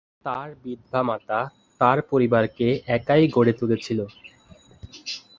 তার বিধবা মাতা, তার পরিবারকে একাই গড়ে তুলেছিল।